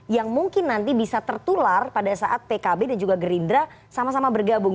yang mungkin nanti bisa tertular pada saat pkb dan juga gerindra sama sama bergabung